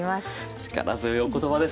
力強いお言葉です。